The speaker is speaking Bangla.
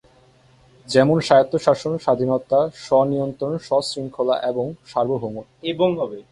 যেমন স্বায়ত্তশাসন, স্বাধীনতা, স্ব-নিয়ন্ত্রণ, স্ব-শৃঙ্খলা এবং সার্বভৌমত্ব।